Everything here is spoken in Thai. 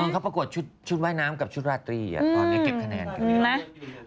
เขาประกวดชุดว่ายน้ำกับชุดราตรีตอนนี้เก็บคะแนนใช่ไหม